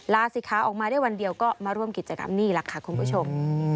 ลาศิคะออกมาได้วันเดียวก็มาร่วมกิจกรรมนี่แหละค่ะคุณผู้ชม